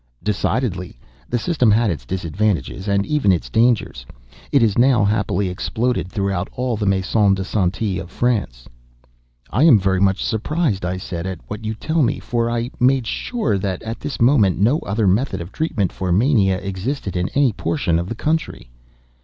"Decidedly. The system had its disadvantages, and even its dangers. It is now, happily, exploded throughout all the Maisons de Santé of France." "I am very much surprised," I said, "at what you tell me; for I made sure that, at this moment, no other method of treatment for mania existed in any portion of the country."